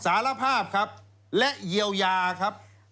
สารภาพครับและเยียวยาครับ